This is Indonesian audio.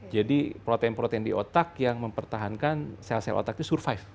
jadi protein protein di otak yang mempertahankan sel sel otak itu survive